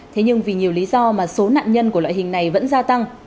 thế nhưng vì nhiều lý do mà số nạn nhân của loại hình này vẫn gia tăng